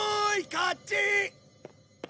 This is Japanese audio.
こっち！